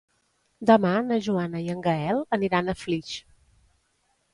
Demà na Joana i en Gaël aniran a Flix.